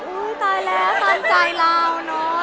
อันนี้กว่าตายละก้อนใจเหล่าเนอะ